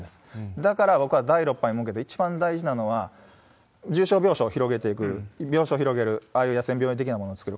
だから僕は、第６波に向けて一番大事なのは、重症病床を広げていく、病床広げる、ああいう野戦病院的なものを作る。